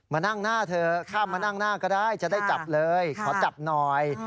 มานั่งหน้าเธอข้ามมานั่งหน้าก็ได้จะได้จับเลยขอจับหน่อย